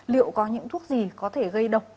liệu có những thuốc gì có thể gây độc